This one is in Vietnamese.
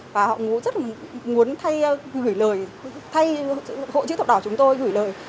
và họ rất là muốn thay hội chữ thọc đỏ chúng tôi gửi lời